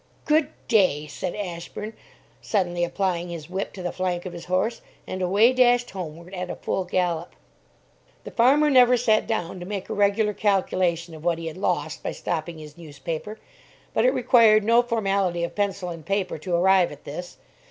"Good day!" said Ashburn, suddenly applying his whip to the flank of his horse; and away dashed homeward at a full gallop. The farmer never sat down to make a regular calculation of what he had lost by stopping his news paper; but it required no formality of pencil and paper to arrive at this.